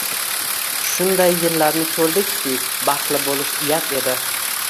Shunday yillarni ko’rdikki, baxtli bo’lish uyat edi.